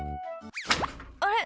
あれ？